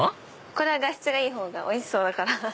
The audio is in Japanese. これは画質がいい方がおいしそうだから。